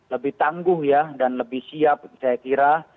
lebih tangguh ya dan lebih siap saya kira